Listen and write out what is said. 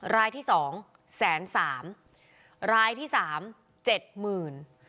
รายที่สองแสนสามรายที่สามเจ็ดหมื่น